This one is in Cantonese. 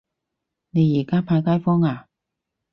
你而家派街坊呀